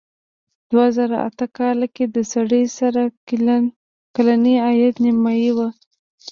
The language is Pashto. دوه زره اته کال کې د سړي سر کلنی عاید نیمايي و.